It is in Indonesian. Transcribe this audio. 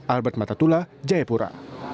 albert matatula jayapura